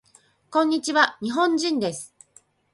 こんにちわ。日本人です。